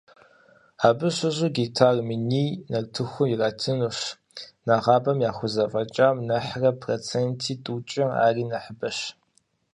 Абы щыщу гектар минир нартыхум иратынущ, нэгъабэм яхузэфӀэкӀам нэхърэ проценти тӀукӀэ ари нэхъыбэщ.